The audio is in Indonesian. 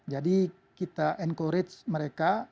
jadi kita encourage mereka